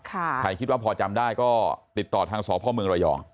ใครคิดว่าพอจำได้ก็ติดต่อทางศพรอยองค์